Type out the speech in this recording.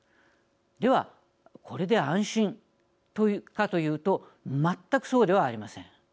では、これで安心かというと全くそうではありません。